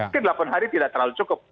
mungkin delapan hari tidak terlalu cukup